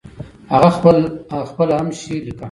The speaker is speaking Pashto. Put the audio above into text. هغه خپله هم شعر ليکه.